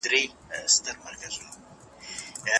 له ډيره وخته مو لېږلي